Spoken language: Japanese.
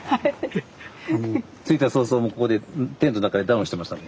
着いた早々もうここでテントの中でダウンしてました。